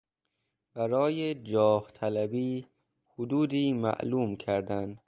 برای جاه طلبی حدودی معلوم کردن